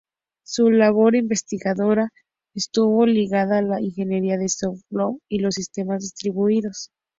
Su labor investigadora estuvo ligada a la Ingeniería de Software y los Sistemas Distribuidos.